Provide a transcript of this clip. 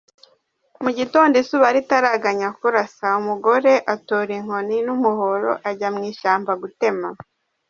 Mu gitondo, izuba ritaraganya kurasa, umugore atora inkoni n'umuhoro, ajya mu ishyamba gutema.